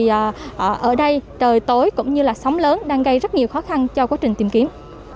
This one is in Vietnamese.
thì ở đây trời tối cũng như là sóng lớn đang gây rất nhiều khó khăn cho quá trình tìm kiếm